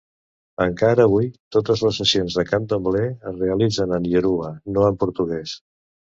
Encara avui, totes les sessions de candomblé es realitzen en ioruba, no en portuguès.